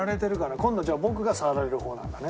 今度じゃあ僕が触られる方なんだね。